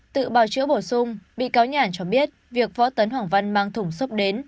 tự báo chữa bổ sung bị cáo nhàn cho biết việc võ tấn hoàng văn mang thùng xốp đến